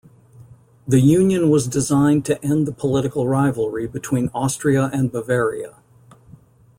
The union was designed to end the political rivalry between Austria and Bavaria.